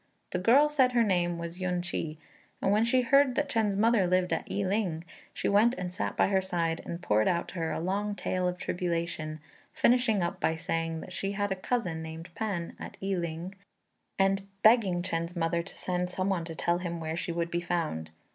The girl said her name was Yün ch'i; and when she heard that Chên's mother lived at I ling, she went and sat by her side, and poured out to her a long tale of tribulation, finishing up by saying that she had a cousin named P'an, at I ling, and begging Chên's mother to send some one to tell him where she would be found.